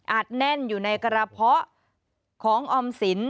แน่นอยู่ในกระเพาะของออมสิน